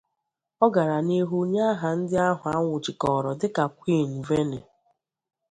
Ọ gara n'ihu nye aha ndị ahụ a nwụchikọrọ dịka Queen Nvene